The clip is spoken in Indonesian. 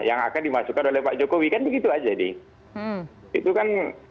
yang akan dimasukkan oleh pak jokowi kan begitu aja nih